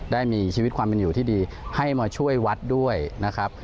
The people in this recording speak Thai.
ได้มีชีวิตความเป็นอยู่ที่ดีให้มาช่วยวัดด้วยนะครับ